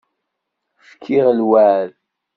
Fkiɣ lweεd.